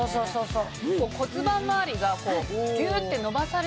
そう！